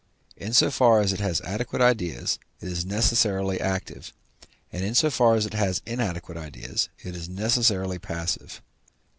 In so far as it has adequate ideas it is necessarily active, and in so far as it has inadequate ideas, it is necessarily passive.